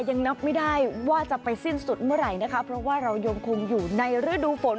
ยังนับไม่ได้ว่าจะไปสิ้นสุดเมื่อไหร่นะคะเพราะว่าเรายังคงอยู่ในฤดูฝน